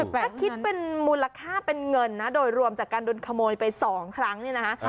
ถ้าคิดเป็นมูลค่าเป็นเงินนะโดยรวมจากการโดนขโมยไป๒ครั้งเนี่ยนะฮะ